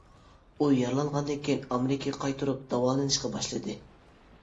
ئۇ يارىلانغاندىن كېيىن، ئامېرىكىغا قايتۇرۇپ داۋالىنىشقا باشلىدى.